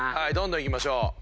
どんどんいきましょう。